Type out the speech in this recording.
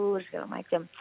terus segala macem